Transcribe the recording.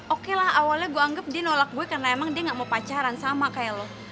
oke lah awalnya gue anggap dia nolak gue karena emang dia gak mau pacaran sama kayak lo